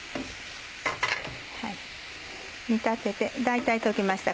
煮立てて大体溶けました。